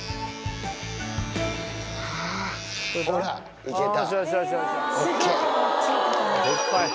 ほら、いけた。